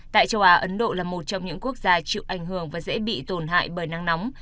tại châu á ấn độ là một trong những quốc gia chịu ảnh hưởng và dễ bị tổn hại bởi nắng nóng